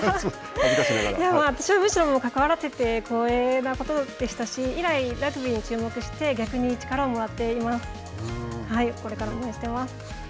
私はむしろ関わらせてもらって光栄なことでしたし、以来、ラグビーに注目して逆に力をもらっています。